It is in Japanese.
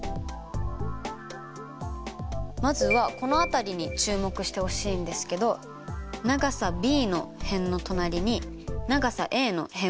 まずはこの辺りに注目してほしいんですけど長さｂの辺の隣に長さａの辺を持ってきたかったからです。